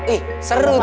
eh seru tuh